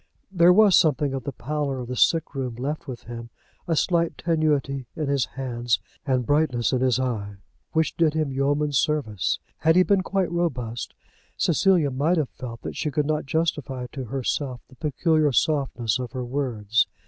There was something of the pallor of the sick room left with him, a slight tenuity in his hands and brightness in his eye which did him yeoman's service. Had he been quite robust, Cecilia might have felt that she could not justify to herself the peculiar softness of her words.